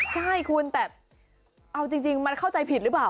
ใช่คุณแต่เอาจริงมันเข้าใจผิดหรือเปล่า